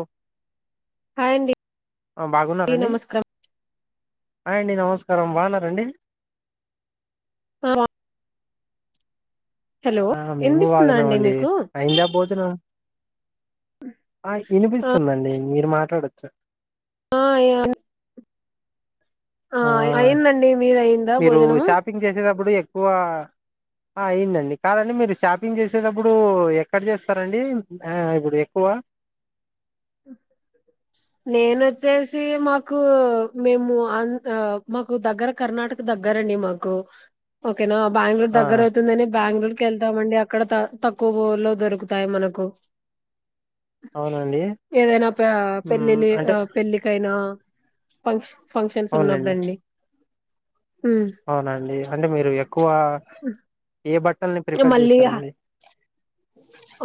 ఒ హాయ్ అండి ఆ బాగున్నారా అండి నమస్కారం హాయ్ అండి నమస్కా స్కారం బాగున్నారా అండి ఆ బాగున్. ఆ మేము బాగున్నాం అండి అయ్యిందా భోజనం ఆ వినిపిస్తోంది అండి మీరు మాట మాట్లాడొచ్చా ఆ అయ్యి అంటే ఆ అయిందండి మీది అయిందా మీరు భోజనము షాపింగ్ చేసేటప్పుడు ఎక్కువ అయ్యింది అండి కదా అండి మీరు షాపింగ్ చేసేటప్పుడు ఎక్కడ చేస్తారు అండి ఆ ఇప్పుడు ఎక్కువ నేను ఒచ్చేసి మాకు మేము అండ ఆ మాకు దగ్గర కర్ణాటక దగ్గర అండి మాకు మాక ఓకే నా బెంగళూరు ఆ దగ్గర అవుతుంది అని బెంగళూరు వెళ్లడం అండి అక్కడ త తక్కువలో దొరుకుతాయి మనకు అవునండి ఏదైనా ప మ్మ్ పెళ్ళిలి అంటే ఆ పెళ్ళికైనా ఫంక్ష ఫంక్షన్స్ ఉన్నప్పు అవునులేండి రండి అవునండి అంటే మీరు ఎక్కువ ఏ బట్టి ప్రిఫర్ మళ్ళీ చేస్తారండి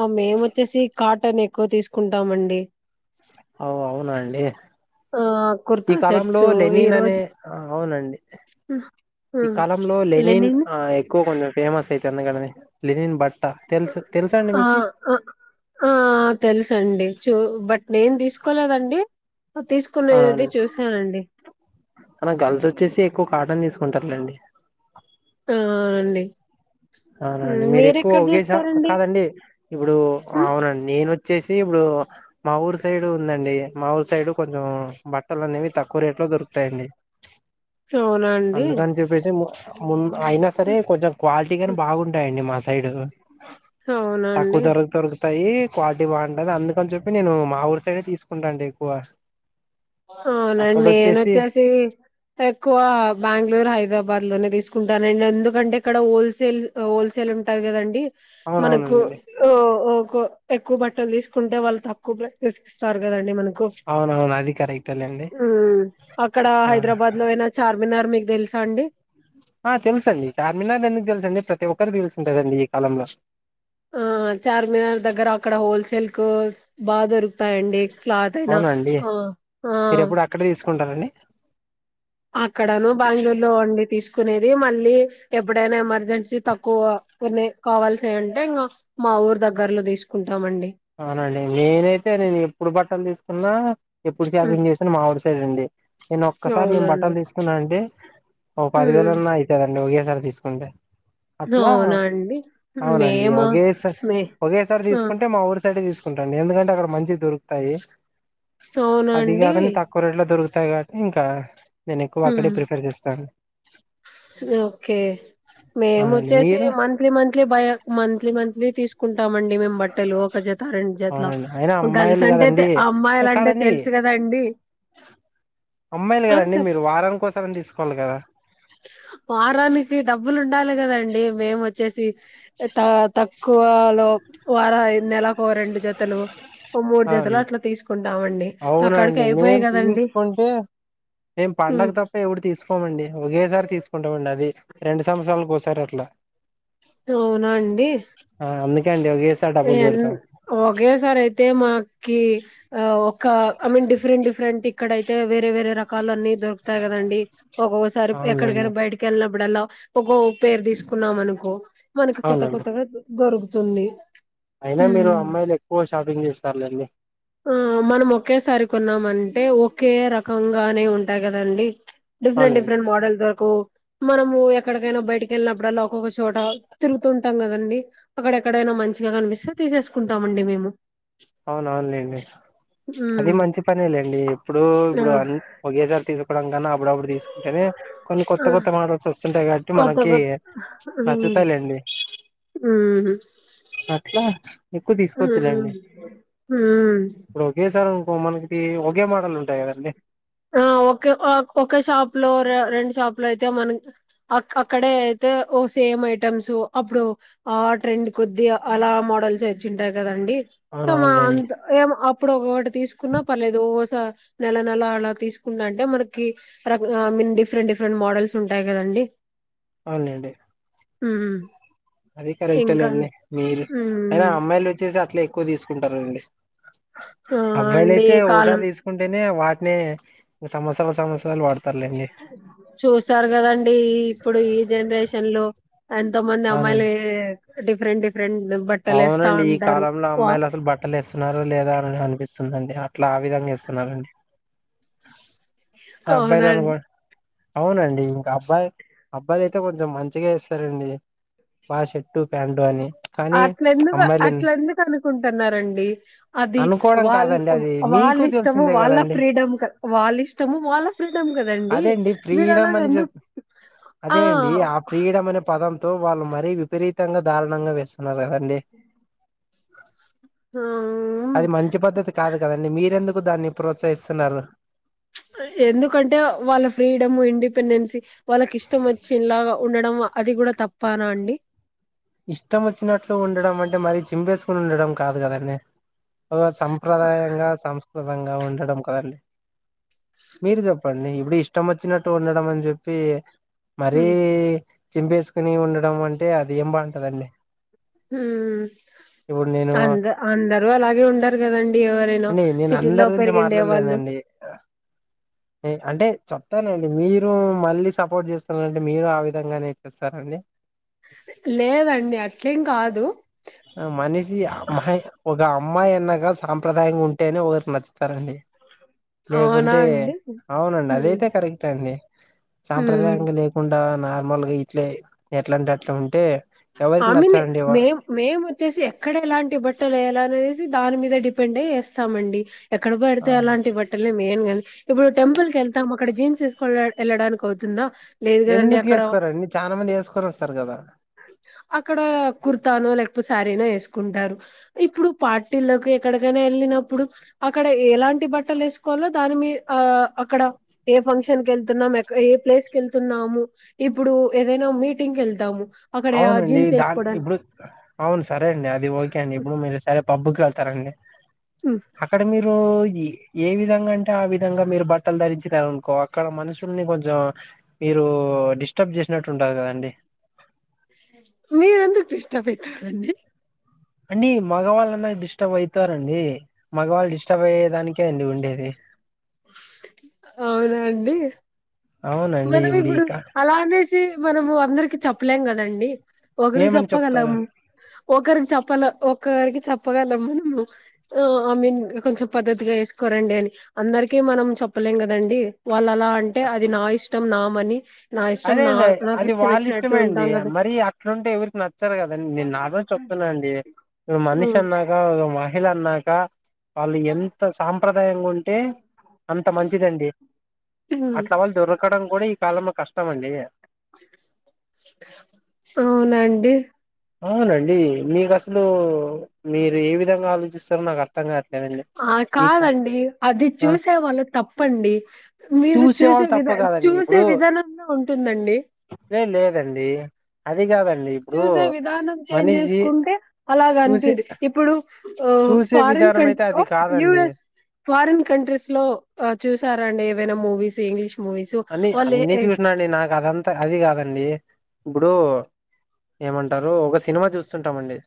ఆ మేము వచ్చేసి కాటన్ ఎ క్కువ తీసుకుంటామండి ఆ అవునండి ఆ కుర్తా ఈ కాలంలో సెట్స్ ఈ లెనిన్ అనే రోజు అవునండి, ఈ హ్మ్. కాలంలో లెనిన్ ఆ ఎక్కువగా కొండం. ఫేమస్ అయితే అందగననే లినిన్ బట్ హ్ ఆ అ ఆ తెలుసండి చూ బట్ నేం తీసుకోలేదండి తీసుకునేది అవున్ చూసానండి అనా గర్ల్స్ వచ్చేసి ఎక్కువ కాటన్ తీసు ఉంటరులేండి ఆ అండి హ్మ్. అవునండి మీరు ఎక్కువ మీరెక్కడ ఉగేస చేస్తారండి కాదండి ఇప్పుడు హ్మ్. అవునండి నేను చ్చేసి ఇప్పుడు మా ఊరు సైడ్ ఉందండి మా ఊరు సైడు కొంచెం బట్టలు అనేవి తక్కువ రేట్ లో దొరుకుతాయండి అవునా అండి అందుకని చెప్పేసి ము ముంద్ అయినా సరే హ్మ్. కొంచెం క్వాలి తి గాని బాగుంటాయండి మాస్ సైడు అవునండి తాయి క్వాలిటీ బావుంటది అందుకని చెప్పి నేను మా ఊరు సైడే తీసుకుంటా అండి ఎక్కువ అవునండి అక్కడ వచ్చేసి నేనొచ్చేసి ఎక్కువ బ్యాంగ్ళూరు హైదరాబాద్ లోనే తీసు కుంటానండి ఎందుకంటే ఇక్కడ హోల్సేల్ హోల్సేల్ ఉంటాది కదండి మనకు అవునవునండి ఈ ఉమ్ క్కు ఎక్కువ బట్టలు తీసుకుంటే వాళ్ళు తక్కువ ధ ప్ర [unintelligible] ఇస్తారు కదండి మన అవునవునం ఉమ్ అక్కడ ఆ హైదరాబాద్ లో అయినా చార్మినార్ మీకు తెలుసు టండి ఆ తెలుసండి చార్మినార్ ఎందుకు తెలుసండి ప్రతి ఒక్కరి తెలుసుంటదండి ఈ కాలంలో ఆ చార్మినార్ దగ్గర అక్కడ హోల్సేల్ కు బా దొరుకుతాయండి క్లాతయినా ఉ ఉ కుంటారండి అక్కడను బెంగళూరు లో అండి తీస్ కునేది మళ్ళీ ఎప్పుడైనా ఎమర్జెన్సీ తక్కువ కొనే కావాల్సి ఉంటే ఇంకా మా ఊర్ దగ్గరలో తీసుకుం అవునండి నేనైతే నేను ఎప్పుడు బట్టలు తీసు కున్నా ఎప్పుడు హ్మ్ షాపింగ్ చేసినా మా [inaudible] పే నండి నేను ఒక్కసారి నేను అవునండి బట్టలు తీసుకున్నా అంటే ఓ పది హ్మ్. వేలన్నా అవుతుందండి సారి తీసుకుంటే అట్లా అవునా అండి అవునండి మేమా ఒకేసారి మే ఒకేసారి ఆ తీసుకుంటే మా ఊరు సైడు తీసుకుంటాండి ఎందుకంటే అక్కడ మంచివి దొరుకుతాయి అదీ అవునండి గాకున్ తక్కువ రేట్లో దొరుకు త్తాయ్ కాబట్టి ఇంక నేను ఎక్కువ అక్కడే ప్రిఫర్ చేస్తాను ఓకే అవునండి మేమొచ్చేసి మీరు మంత్లీ మంత్లీ భయ మంత్లీ మంత్లీ తీసుకుంట ాడి మేము బట్టలు ఒక జత రెండు జతలో అవునండి అయినా గర్ల్స్ అమ్మాయిలు అంటే కదండి అమ్మాయిలు అంటే కాదండి తెలుసు కదాండి అమ్మాయిలు ఆ కదండి చే మీరు వారానికి కోసారని తీసుకోవాలి కదా వారానికి డబ్బులు ఉండాలి కదండి మేము వచ్చేసి త తక్కువలో వారయి నెలకు ఓ రెండు జతలు ఓ మూడు అ జతలు అండి అట్లా తీసుకుంటామండి అక్కడికి అవునండి అయిపోయాయి మేం కదండి తీసుకుంటే మేం పండగ ఉమ్, తప్ప ఎప్పుడు తీసుకోమండి ఒకేసారి తీసుకుంటామండి అది రెండు సంవత్సరాల ఒకసారి అట్లా అవునా అండి ఆ అందుకే అండి ఒకేసారి డబ్బులు ఎన్ పెడతాం ఒకేసారి అయితే మా ఒకే ఒక ఐ మీన్ డిఫరెంట్ డిఫరెంట్ ఇక్కడైతే వేరే వేరే రకాల అన్ని దొరుకుతాయి కదండి ఒక్కొక్కసారి అవునులేండి ఎక్కడికైనా బయటకిళ్ళిన అప్పుడు ఇప్పుడల్లా ఒకో పేర్ తీసుకున్నాం అనుకో మనకి కొత్త అవునండి కొత్తగా దొరుకు స్తుంది అయినా మీరు అమ్మాయిలు ఎక్కువ షాపింగ్ చేస్తారులేండి ఆ మనం ఒకేసారి కొన్నామంటే ఒకే రకంగానే ఉంటాయి కదండి డిఫరెట్ అవునులేండి డిఫరెట్ మోడల్స్ ఓ మనము ఎక్కడికైనా బయటికి వెళ్ళినప్పుడలా ఒక చోట తిరుగుతు వెళ్తాం కదండి అక్కడ ఎక్కడైనా మంచి కనిపిస్తే తీసేసుకుంటామండి మేము అవున అవునులేండి అది మ్మ్ మంచి పని లేండి ఎప్పుడు ఆ ఇప్పుడు అన్ని ఒకేసారి తీసుకు [unintelligible] ఇప్పుడప్పుడు తీసుకుంటేనే కొన్ని కొత్త ఆ కొత్త మడల్స్ వస్తా ఉన్నంటాయి కాబట్టి కొత్త మనకి కొత్త మ్మ్ నచ్చుతాయిలేండి మ్మ్ అట్లా ఎక్కువ తీసుకొవచ్చు లేండి హు ఇ మనకి ఒకే మోడల్ ఉంటాయి కదండి ఆ ఒకే ఒక షాప్ లో రెండు షాపు లో అయితే మన అక్కడే అయితే ఓ సేమ్ ఐటమ్స్ అప్పుడు ఆ ట్రెండ్ కొద్దీ అలా మోడల్స్ తెచ్చింటాయి కదా అండి సో అవునవునులేండి [unintelligible] అప్పుడు ఒకటి తీసుకున్నా పర్లేదు ఒకసారి నెల నెల ఆ తీసుకుంట అంటే మనకి ప్రబ్ ఆ మీన్ డిఫరెంట్ డిఫరెంట్ మోడల్స్ ఉంటాయి కదండి అవునండి ఊ అది కరెక్టేలేండి మీరు అయినా హ్మ్. అమ్మాయిలు వచ్చేసి అట్లా ఎక్కువ తీసుకో కుంటరండి ఆ అబ్బాయిలు అండి అయితే కాలం ఓసారి తీసుకుంటే ఇగ వాటినె సమత్సరం సమత్సరానికి వాడు చూసారు కదండి ఇప్పుడు ఈ జనరేషన్ లో ఎంత మంది అవునండి అమ్మాయిలే డిఫెరెంట్ డిఫ్ అవునండి ఈ కాలంలో వా అమ్మాయిలు అసలు బట్టలు ఏస్తున్నారో లేదో అనడ అనిపిస్తుందండి అట్లా ఆ విధంగా ఏస్తున్నారండి అవునండి అవునండి ఇంక అబ్బాయి అబ్బాయిలు అయితే కొంచెం మంచిగా ఏస్తారండి వా షర్టు ప్యాంటు అని కానీ అట్ల ఎందుకు అమ్మాయిలు అట్ల ఎందుకు అనుకుంటున్నరండి అది అనుకోవడం వాళ్ళ కాదండి అది వాళ్ళ మీకు ఇష్టము తెలిసిందే వాళ్ళ కదండి ఫ్రీడం వాళ్ళ ఇష్టము వాళ్ళ ఫ్రీడమ్ కదండి అదేండి మీరు ఫ్రీడమ్ అలాగ అని ఎందుకు చెప్ ఆ అదే అండి ఆ ఫ్రీడమ్ అనే పదంతో వాళ్ళు మరీ విపరీతంగా దారుణంగా వేస్తున్నారు కదా అండి [inaudible] హ్మ్. అది మంచి పద్దతి కాదు కదండి మీరెందుకు దాన్ని ప్రోత్సహిస్తున్నారు ప్చ్ ఎందుకంటే వాళ్ళ ఫ్రీడమ్ ఇండిపెండెన్సి వాళ్ళకి ఇష్టం వచ్చిన్ లాగా ఉండడం అది కూడా తప్పనా అండి ఇష్టం వచ్చినట్లు ఉండడం అంటే మరీ చింపేసుకుని ఉండడం కాదు కదండీ ఒ సంప్రదాయంగా సంస్ విధంగా ఉండడం కదండి మీరుజప్పండి ఇప్పుడు ఇష్టం అచ్చినట్టు ఉండడం అని జెప్పి మరీ హ్మ్. చింపేసుకుని ఉండడం అంటే అది ఏం బం కదండీ ఊ అంద అందరూ అలాగే ఉండారు కదండి ఎవరైనా అండి నేను సిటీల్లో అందరి గురించి పెరిగిండే వాళ్ళు మాట్లాడలేనండి ఏ అంటే చెప్తానండి మీరు మళ్ళీ సపోర్ట్ చేస్తన్నంటే మీరు ఆ విధంగానే చేస్తారండి లేదండి అట్లేం కాదు మనేషి అమ్మాయ్ ఒకఅమ్మాయ్ అన్నగా సా సాప్రదాయంగా ఉంటేనే ఒకరు నచ్చుతారండి. అవునా లేకుంటే అండి అవునండి హ్మ్. అదైతే కరెక్ట్ అండి హ్మ్. సాంప్రదాయంగా లేకుండా నార్మల్గా ఇట్లే ఎట్లాంట అట్ల ఉంటే ఆ ఎవరికి మీన్ నచ్చారండి మే మేము వచ్చేసి ఎక్కడ ఎలాంటి బట్టలు వేయాల అనేది దాని మీద డిపెండ్ అయేస్తామండి ఎక్కడ పడితే అలాంటి బట్టలే మెయిన్గా ఇప్పుడు టెంపుల్ కి వెళ్తాం అక్కడ జీన్స్ వేసుక వెళ్ళడానికి అవుతుందా లేదు కదండి ఎందుకు అక్కడ వేసుకోరండి చాలా మంది వేసుకొని వస్తారు కదా అక్కడ కుర్తానో లేకపోతే శారీనో వేసుకుంటారు. ఇప్పుడు పార్టీలకు ఎక్కడికైనా వెళ్ళినప్పుడు అక్కడ ఎలాంటి బట్టలు వేసుకోవాలో దాని మీ ఆ అక్కడ ఏ ఫంక్షన్ కి వెళ్తున్నాము ఏ ప్లేస్ కి వెళ్తున్నాము ఇప్పుడు ఏదైనా మీటింగ్ వెళ్తాము. అక్కడ అవునండి జీన్స్ దాని వేసుకోవడానికి ఇప్పుడు అవును సరే అండి అది ఓకే అండి ఇప్పుడు మీరు సరే పబ్బుకి వెల్త్ సరెండి అక్కడ మీరు ఏ ఏ విధంగా అంటే ఆ విధంగా మీరు బట్టలు ధరించినారు అనుకో అక్కడ మనుషుల్ని కొంచెం మీరు డిస్టర్బ్ చేసినట్టు ఉంటాది కదండి మీరెందుకు డిస్టర్బ్ అవుతారండి అండి మగవాళ్ళన్న డిస్టర్బ్ అయితారండి మగవాళ్ళు డిస్టర్బ్ అయ్యే దానికే అండి ఉండేది అవునా అండి అవునండి మనం ఇప్పుడు ఇక అలా అనే చి మనము అందరికి చెప్పలేం కదండి. ఒకరికి ఏమని చెప్తారు చెప్పగలము ఒకరికి చెప్పలే ఒక ఒక్కరికి చెప్పగలం మనము ఐ మీన్ కొంచెం పద్ధతిగా వేసుకోరండి అని అందరికీ మనం చెప్పలేం కదండి వాళ్ళ అలా అంటే అది నా ఇష్టం నామని అదే అండి అది వాళ్ళ ఇష్టమేండి ఉంటాం కదా మరీ అక్కడంటే ఎవరికి నచ్చారు కదండి నేను నాగురించి చెప్తున్నానండి మనిషి ఉమ్, అన్నాక ఒక మిలాన్నాక వాళ్ళు ఎంత సాంప్రదాయంగా ఉంటే అంత మంచిదండి ఉమ్, అట్లా వాళ్ళు దొరకడం కూడా కాలమ కష్ట కష్టమండి అవునండి అవునండి మీకు అసలు మీరు ఏ విధంగా ఆలోచిస్తారు నాకు అర్థ ఆ కాదండి అది ఆ చూసే వాళ్ళు తప్పండి మీరు చూసే వాళ్ళు తప్ప విధానం కాదండి చూసే ఇప్పుడు విధానంలో ఉంటుందండి లెండి ఆ అది కాదండి ఇప్పుడు చూసే విధానం చేంజ్ మనిషి చేసుకుంటే చూసే అలాగనిపిదు ఇప్పుడు చూసే ఫారిన్ విధానం అయితే అది కంట్రీస్ కాదండి అని యూరస్ ఫారిన్ కంట్రీస్ లో చూసారండి ఏవైనా మూవీస్ ఇంగ్లీష్ మూవీస్ అన్ని వాళ్ళు అన్నీ చూసినాండి నాకు అదంతా అది కాదు అండి ఇప్పుడు ఏమంటారు ఒక సినిమా చూస్తుంటామండి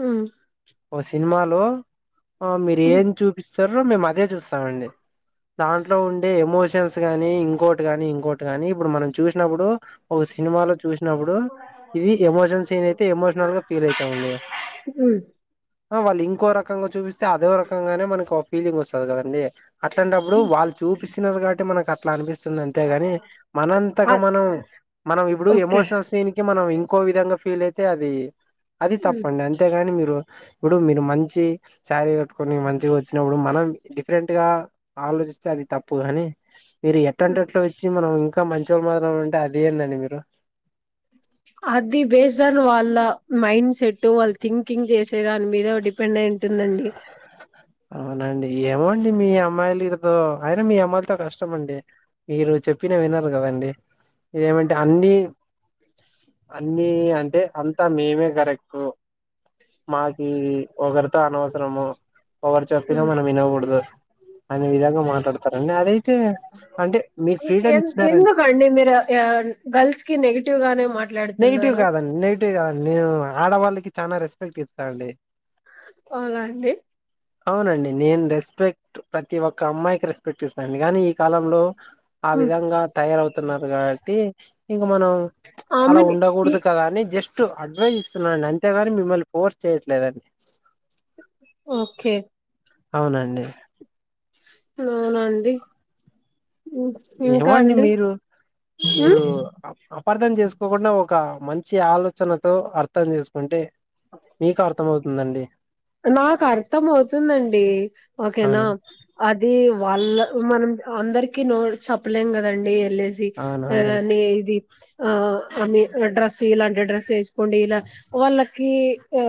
మ్మ్ ఒక సినిమాలో ఆ మీరు ఏం చూపిస్ తరు మేము అదే చూస్తామండి దాంట్లో ఉండే ఎమోషన్స్ ట్ కానీం ఇంకోటిగాని ఇంకోటి ని ఇప్పుడు మనం చూసినప్పుడు ఒక సినిమాలో చూసినప్పుడు ఇది ఎమోషన్ సీన్ అయితే ఎమోషనల్ గా ఫీల్ అయితామండి ఉ వాళ్ళు ఇంకో రకంగా చూపిస్త అదే రకంగానే మనకి ఫీలింగ్ వస్తుంది కదండి అట్లాంటప్పుడు వాళ్ళు చూపిస్తున్నారు కాబట్టి మనకు కట్లా అంతేగాని మనంతక మనం మనం ఇప్పుడు ఓకే ఎమోషనల్ సీన్ కి మనం ఒకో విధంగా ఫీల్ అయితే అది అది తప్పండి అంతేగాని మీరు ఇప్పుడు మీరు మంచి సారీ కట్టుకొని మంచిగా వచ్చినప్పుడు మనం డిఫరెంట్ గా ఆలోచిస్తే అది తప్పు కాగాని మీరు ఎట్ంటే ఎట్లా వచ్చి మనం ఇంకా మంచోళ్ళ మాత్రం ఉంటే అది ఏందండి మీరు అది బేస్డ్ అని వాళ్ళ మైండ్ సెట్ వాళ్ళ థింకింగ్ చేసే దాని మీద డిపెండ్ అంటుందండి అవునండి ఏమోండి మీ అమ్మాయిలు తో అయిన మీ అమ్మాయిలతో కష్టం అండి మీరు చెప్పినా వినరు కదండి ఇదమంటే అన్ని అన్ని అంటే అంతా మేమే కరెక్ట్ మాకి ఒకరితో అనవసరము ఎవరు చెప్పినా మనం వినకూడదు అనే విధంగా మాట్లాడతారు అన్న అదే ఇచ్చినారండి ఎందుకండి మీరు గర్ల్స్ కి నెగిటివ్ గానే మాట్ నెగిటివ్ కాదండి నెగిటివ్ కాదండి నేను ఆడవాళ్ళకి చాలా రెస్పెక్ట్ ఇస్తాండి అవునా అండి అవునండి నేను రెస్పెక్ట్ ప్రతి ఒక్క అమ్మాయికి రెస్పెక్ట్ ఇస్తానుండి కానీ ఈ కాలంలో ఆ విధంగా తయారవుతున్నారు కాబట్టి ఇగ మనం అలా ఆమెని ఉండకూడదు కదా అని జస్ట్ స్ట్ అడ్వైస్ ఇస్తున్నాండి అంతేగాని మిమ్మల్ని ఫోర్స్ చేయట్లేదండి ఓకే అవునండి అవునండి ఏమో అండి మీరు ఉమ్, మీరు అపార్థం చేసు కోకుండా ఒక మంచి ఆలోచనతో అర్థం చేసుకుంటే మీకు అర్థం అవుతుందండి నాకు అర్థం అవుతుందండి ఓకేనా అవునండి అది వాళ్ళ మనం అందరికి నో చెప్పలేం కదండి ఎల్లేసి అవున అయినా అవునండి నీది ఆ డ్రెస్ ఇలాంటి డ్రెస్ యేసుకోండి ఇలా వాళ్ళకి ఆ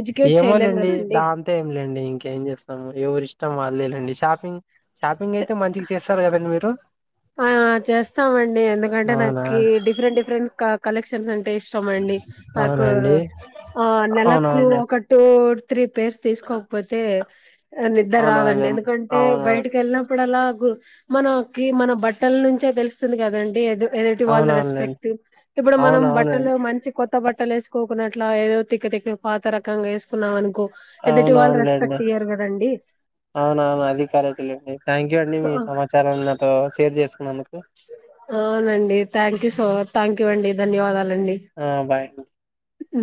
ఎడ్యుకేట్ చేయలేం ఏమోలేండి కదండి దాంతో ఏమి లేండి ఇంక ఏం చేస్తాము ఎవరి ఇష్టం వాళ్ళేలేండి షాపింగ్ షాపి పింగ్ అయితే మంచిగ చేస్తారు కదండి మీరు ఆ చేస్తామండి ఎందుకంటే అవునా నాకి డిఫరెంట్ డిఫరెంట్ కా కలెక్షన్స్ అ ఇష్టం అండి నాకు అవునండి ఆ నెలకు అవునవునులే ఒకటీ త్రీ పేర్స్ తీసుకోకపోతే నిదర్ రాదండి అవునవునులే ఎందుకంటే అవునవును బయటికి యెళ్ళినప్పుడు అలా మనకి మన బట్టల నుంచే తెలుస్తుంది కదండి అద ఏదుటి వాళ్ళ అవునవునులేండి రెస్పెక్ట్ ఇప్పుడు మనం బట్టలో అవునవునండి మంచి కొత్త కొత్త బట్టలు యేసుకోకున్నట్లా ఏదో తిక్క తక్క పాత రకంగా యేసుకున్నాం అనుకో ఎదుటి వాళ్ళు అవునవునులేండి రెస్పెక్ట్ ఇయ్యరు కదండి అవును అవును అధికరెక్టేలేండి థ్యాంక్ యూ అండి ఆ, మీ సమాచారం నాతో షేర్ చేసుకున్నందు అవునండి thank you so much thank you అండి ధన్యవాదాలు ఆ బాయ్ అ